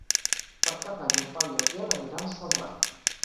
Per Cap d'Any en Pau i en Biel aniran a Celrà.